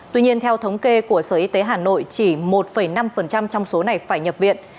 tuy nhiên theo thống kê của sở y tế hà nội chỉ một năm trong số này phải nhập viện